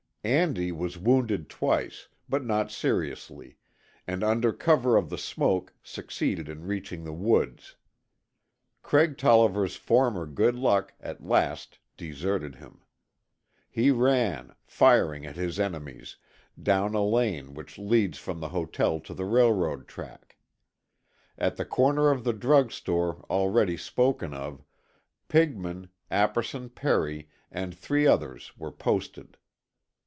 Andy was wounded twice, but not seriously, and under cover of the smoke succeeded in reaching the woods. Craig Tolliver's former good luck at last deserted him. He ran, firing at his enemies, down a lane which leads from the hotel to the railroad track. At the corner of the drug store already spoken of, Pigman, Apperson Perry and three others were posted.